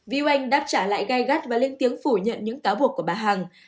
viu anh đã trả lại gai gắt và lên tiếng phủ nhận những cáo buộc của bà hằng